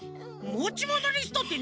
もちものリストって